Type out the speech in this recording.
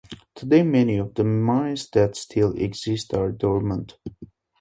Today many of the mines that still exist are dormant.